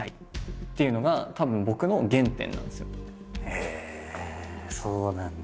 へえそうなんだ。